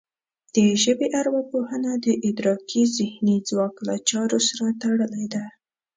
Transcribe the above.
د ژبې ارواپوهنه د ادراکي ذهني ځواک له چارو سره تړلې ده